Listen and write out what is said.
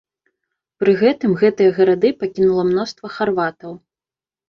Пры гэтым гэтыя гарады пакінула мноства харватаў.